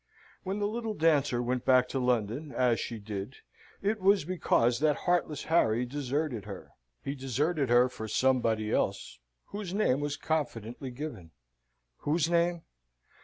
When the little dancer went back to London, as she did, it was because that heartless Harry deserted her. He deserted her for somebody else, whose name was confidently given, whose name?